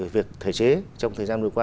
việc thể chế trong thời gian vừa qua